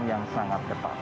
yang sangat ketat